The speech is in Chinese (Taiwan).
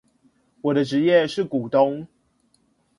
我的職業是股東